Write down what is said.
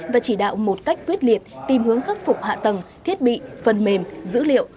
và chỉ đạo một cách quyết liệt tìm hướng khắc phục hạ tầng thiết bị phần mềm dữ liệu